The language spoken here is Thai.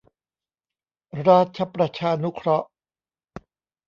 ราชประชานุเคราะห์